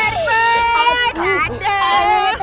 kenapa tak berbus